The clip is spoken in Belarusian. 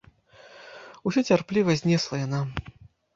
Усё цярпліва знесла яна.